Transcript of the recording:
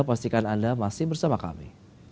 pastikan anda masih bersama kami